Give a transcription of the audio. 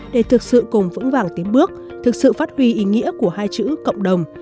để thực sự cùng vững vàng tiến bước thực sự phát huy ý nghĩa của hai chữ cộng đồng